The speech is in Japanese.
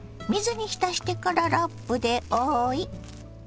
水に浸してからラップで覆い。